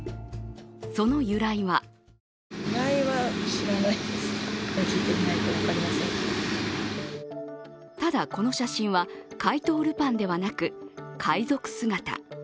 その由来はただ、この写真は怪盗ルパンではなく海賊姿。